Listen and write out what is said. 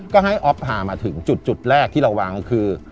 ก็ให้อ๊อฟพามาถึงจุดแรกที่เราวางก็คือ